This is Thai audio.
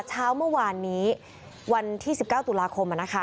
เช้าเมื่อวานนี้วันที่๑๙ตุลาคม